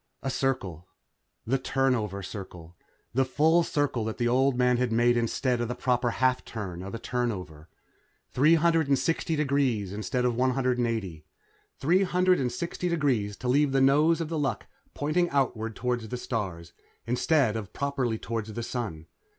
A circle. The turnover circle. The full circle that the old man had made instead of the proper half turn of a turnover. Three hundred sixty degrees instead of one hundred eighty. Three hundred sixty degrees to leave the nose of The Luck pointing outward toward the stars, instead of properly toward the Sun.